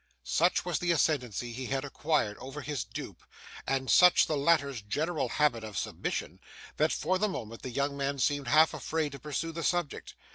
Such was the ascendancy he had acquired over his dupe, and such the latter's general habit of submission, that, for the moment, the young man seemed half afraid to pursue the subject.